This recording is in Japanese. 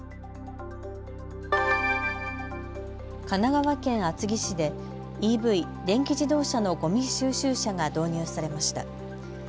神奈川県厚木市でＥＶ・電気自動車のごみ収集車が導入されました。